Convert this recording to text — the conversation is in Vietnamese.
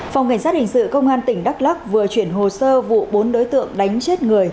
phòng cảnh sát hình sự công an tỉnh đắk lắc vừa chuyển hồ sơ vụ bốn đối tượng đánh chết người